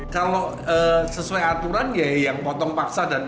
kalau sesuai aturan ya yang potong paksa dan mati